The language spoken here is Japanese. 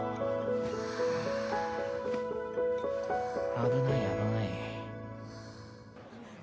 危ない危ない